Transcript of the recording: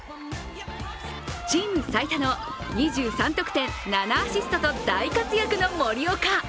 チーム最多の２３得点７アシストと大活躍の森岡。